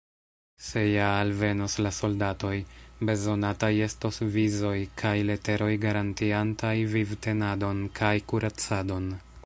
Se ja alvenos la soldatoj, bezonataj estos vizoj kaj leteroj garantiantaj vivtenadon kaj kuracadon.